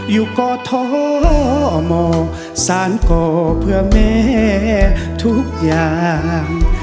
อยู่ก่อท้อมองสารก่อเพื่อแม่ทุกอย่าง